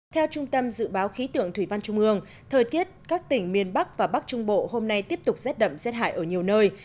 theo trung tâm dự báo khí tượng thủy văn trung ương thời tiết các tỉnh miền bắc và bắc trung bộ hôm nay tiếp tục rét đậm rét hại ở nhiều nơi